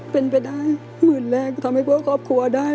เป็นไปได้หมื่นแรกทำให้เพื่อครอบครัวได้